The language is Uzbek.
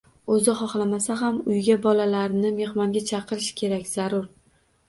O‘zi xohlamasa ham uyga bolalarni mehmonga chaqirish kerak zarur.